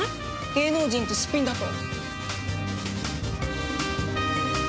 芸能人ってすっぴんだと。